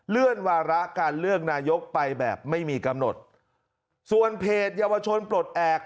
วาระการเลือกนายกไปแบบไม่มีกำหนดส่วนเพจเยาวชนปลดแอบ